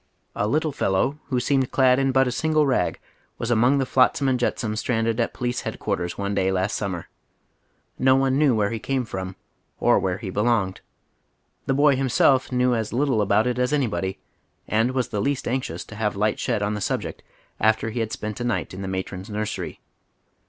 A little fellow who seemed clad in but a single rag was among the flotsam and jetsam stranded at Police Head quarters one day last summer. No one knew where he came from or where he belonged. The boy himself knew as little about it as anybody, and was the least anxious to have light shed on the subject after he had spent a night in the matron's nursery.